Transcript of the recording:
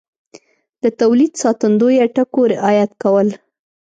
د تولید ساتندویه ټکو رعایت کول